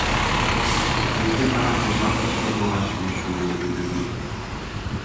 Эки тарап узакка созулган сүйлөшүүлөрдү жүргүздү.